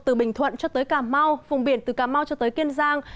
từ bình thuận cho tới cà mau vùng biển từ cà mau cho tới kiên giang